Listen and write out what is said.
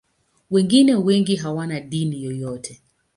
Wengine wengi hawana dini yoyote.